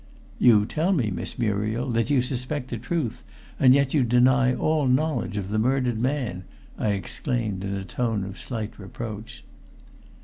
"You tell me, Miss Muriel, that you suspect the truth, and yet you deny all knowledge of the murdered man!" I exclaimed in a tone of slight reproach.